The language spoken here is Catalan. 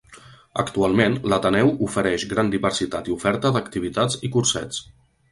Actualment l'Ateneu ofereix gran diversitat i oferta d'activitats i cursets.